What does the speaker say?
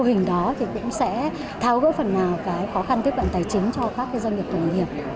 hình đó thì cũng sẽ thao gỡ phần nào cái khó khăn tiếp cận tài chính cho các doanh nghiệp tổng nghiệp